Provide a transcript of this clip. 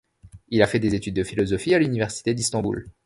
Il a fait des études de philosophie à l'université d'Istanbul.